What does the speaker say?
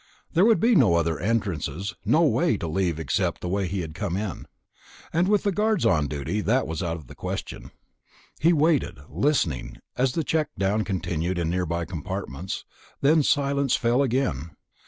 There would be no other entrances, no way to leave except the way he had come in. And with the guards on duty, that was out of the question. He waited, listening, as the check down continued in nearby compartments. Then silence fell again.